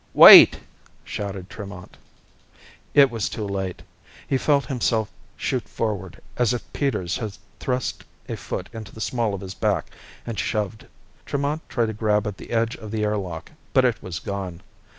"Wait!" shouted Tremont. It was too late. He felt himself shoot forward as if Peters had thrust a foot into the small of his back and shoved. Tremont tried to grab at the edge of the air lock, but it was gone.